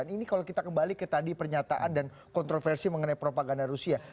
ini kalau kita kembali ke tadi pernyataan dan kontroversi mengenai propaganda rusia